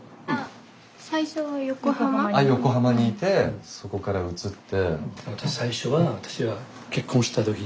横浜にいてそこから移って。